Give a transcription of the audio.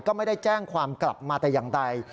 ก็ไม่ได้แจ้งความกลับมาแต่อย่างใด